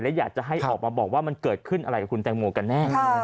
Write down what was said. และอยากจะให้ออกมาบอกว่ามันเกิดขึ้นอะไรกับคุณแตงโมกันแน่